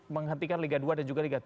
menghentikan liga dua dan juga liga tiga